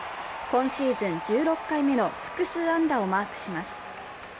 今シーズン１６回目の複数安打をマークします。